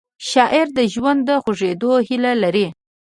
شاعر د ژوند د خوږېدو هیله لري